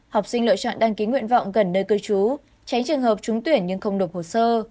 học sinh lựa chọn đăng ký nguyện vọng gần nơi cư trú tránh trường hợp trúng tuyển nhưng không nộp hồ sơ